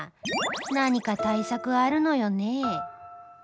何か対策はあるのよね。